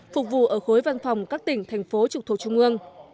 phục vụ ở khối văn phòng các tỉnh thành phố trực thuộc trung ương